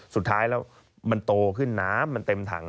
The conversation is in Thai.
สุดท้ายแล้วมันโตขึ้นน้ำมันเต็มถัง